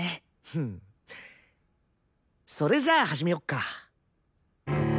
ふんそれじゃあ始めよっか。